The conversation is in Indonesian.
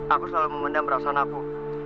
aku selalu memendam perasaanku